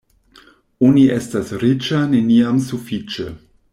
Oni estas riĉa neniam sufiĉe.